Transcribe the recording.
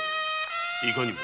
いかにも。